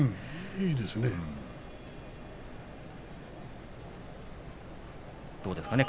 いいですね。